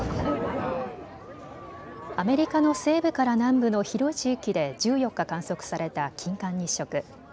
アメリカの西部から南部の広い地域で１４日、観測された金環日食。